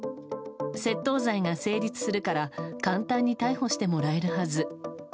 窃盗罪が成立するから簡単に逮捕してもらえるはず。